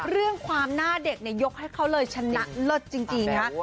เรื่องความหน้าเด็กเนี่ยยกให้เขาเลยชนะเลิศจริงค่ะ